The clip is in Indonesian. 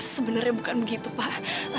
sebenarnya bukan begitu pak